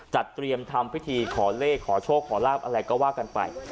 จัดเตรียมทำพิธีขอเลขขอโชคขอลาบอะไรก็ว่ากันไป